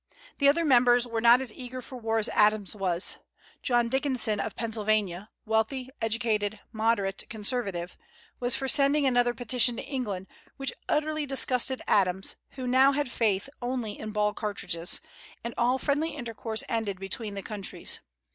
The other members were not as eager for war as Adams was. John Dickinson of Pennsylvania wealthy, educated moderate, conservative was for sending another petition to England, which utterly disgusted Adams, who now had faith only in ball cartridges, and all friendly intercourse ended between the countries.